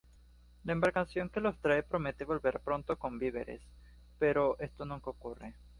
La embarcación que los trae promete volver pronto con víveres... pero esto nunca ocurre.